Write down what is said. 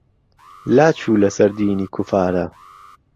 لاچو لە سەر دینی کوفارە.